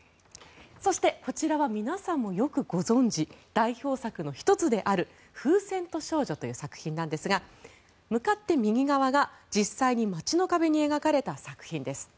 そしてこちらは皆さんもよくご存じ代表作の１つである「風船と少女」という作品なんですが向かって右側が実際に街の壁に描かれた作品です。